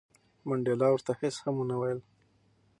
منډېلا ورته هیڅ هم ونه ویل.